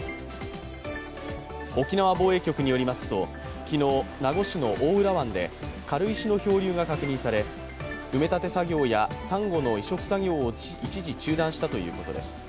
沖縄防衛局によりますと、昨日、名護市の大浦湾で軽石の漂流が確認され埋め立て作業やさんごの移植作業を一時中断したということです。